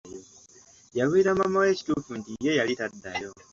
Yabuulira maama we ekituufu nti ye yali taddayo.